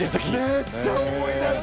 めっちゃ思い出す！